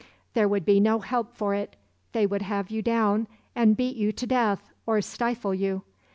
There would be no help for it; they would have you down and beat you to death or stifle you.